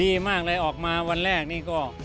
ดีมากเลยออกมาวันแรกนี่ก็